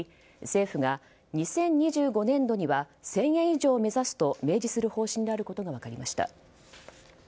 政府が２０２５年度には１０００円以上を目指すと明記する方針であることが分かりました。